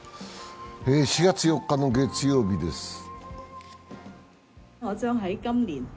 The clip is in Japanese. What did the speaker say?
４月４日の月曜日です。